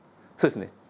そうですね。